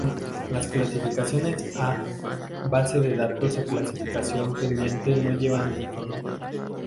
Las clasificaciones A, base de datos o clasificación pendiente no llevan icono.